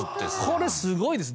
これすごいです。